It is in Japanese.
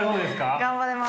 頑張れます。